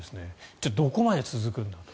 じゃあ、どこまで続くんだと。